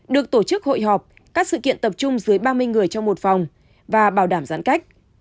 được tổ chức hội họp các sự kiện tập trung dưới ba mươi người trong một phòng và bảo đảm giãn cách